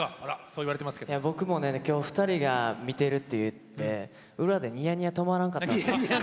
僕も今日２人が見てるとから裏でニヤニヤが止まらんかったんです。